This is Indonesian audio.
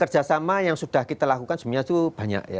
kerjasama yang sudah kita lakukan sebenarnya itu banyak ya